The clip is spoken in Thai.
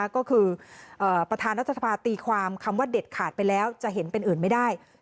ก็คือประธานรัฐสภาตีความคำว่าเด็ดขาดไปแล้วจะเห็นเป็นอื่นไม่ได้